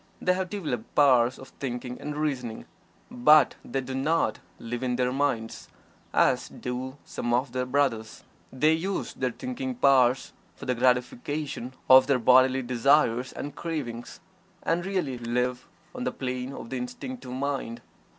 They have developed powers of thinking and reasoning, but they do not "live in their minds" as do some of their brothers. They use their thinking powers for the gratification of their bodily desires and cravings, and really live on the plane of the Instinctive Mind.